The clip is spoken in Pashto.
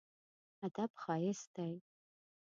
ادب ښايست دی.